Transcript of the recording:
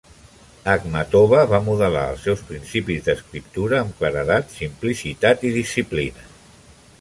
Akhmatova va modelar els seus principis d'escriptura amb claredat, simplicitat i disciplina.